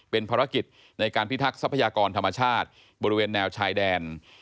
เป็นภารกิจในการพิทักษ์ทรัพยากรธรรมชาติบริเวณแนวชายแดน